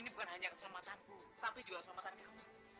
ini bukan hanya keselamatanku tapi juga keselamatan kamu